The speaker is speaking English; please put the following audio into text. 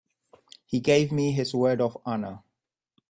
He gave me his word of honor.